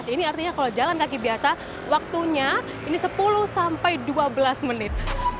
ini artinya kalau jalan kaki biasa waktunya ini sepuluh sampai dua belas menit